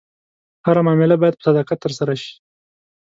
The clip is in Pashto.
هره معامله باید په صداقت ترسره شي.